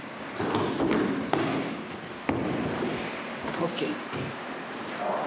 ＯＫ。